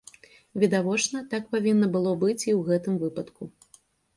Відавочна, так павінна было быць і ў гэтым выпадку.